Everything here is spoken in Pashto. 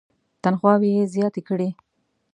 تنخواوې یې زیاتې کړې.